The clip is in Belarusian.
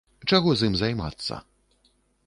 Чаго з ім займацца.